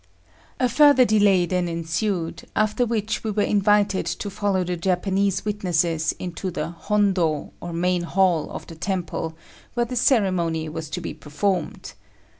A further delay then ensued, after which we were invited to follow the Japanese witnesses into the hondo or main hall of the temple, where the ceremony was to be performed.